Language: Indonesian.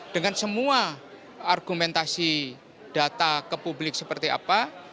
dengan semua argumentasi data ke publik seperti apa